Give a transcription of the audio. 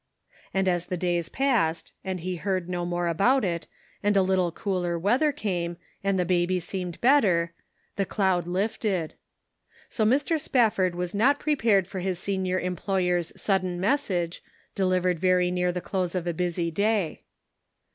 And as the days passed, and he heard no more about it, and a little cooler weather came, and the baby seemed better, the cloud lifted. So Mr. Spafford was not prepared for his senior employer's sudden message, delivered very near the close of a busy day.